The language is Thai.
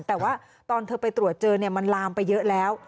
แต่ว่าตอนเธอไปตรวจเจอมันลามไปเยอะแล้ว